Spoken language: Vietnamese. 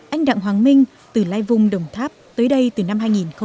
anh đặng hoàng minh từ lai vung đồng tháp tới đây từ năm hai nghìn tám